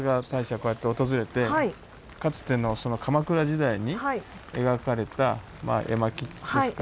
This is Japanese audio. こうやって訪れてかつての鎌倉時代に描かれたまあ絵巻ですか。